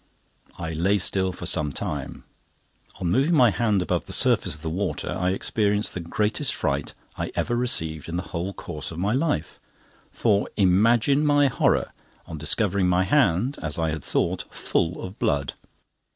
I lay still for some time. On moving my hand above the surface of the water, I experienced the greatest fright I ever received in the whole course of my life; for imagine my horror on discovering my hand, as I thought, full of blood.